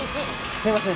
すいません。